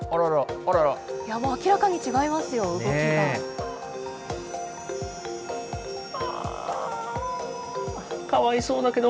もう明らかに違いますよ、動きが。